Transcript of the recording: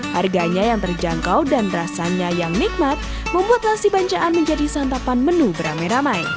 harganya yang terjangkau dan rasanya yang nikmat membuat nasi bancaan menjadi santapan menu beramai ramai